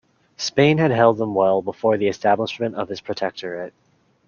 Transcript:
Spain had held them well before the establishment of its protectorate.